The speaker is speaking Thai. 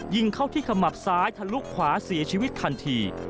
ยิงเข้าที่ขมับซ้ายทะลุขวาเสียชีวิตทันที